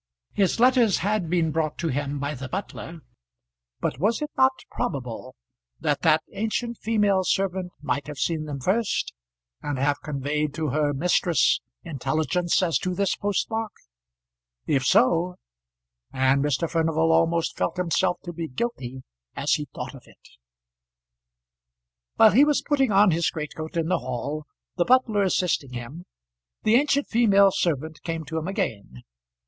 His letters had been brought to him by the butler; but was it not probable that that ancient female servant might have seen them first, and have conveyed to her mistress intelligence as to this post mark? If so ; and Mr. Furnival almost felt himself to be guilty as he thought of it. While he was putting on his greatcoat in the hall, the butler assisting him, the ancient female servant came to him again.